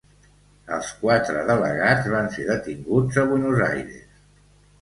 Els quatre delegats van ser detinguts a Buenos Aires.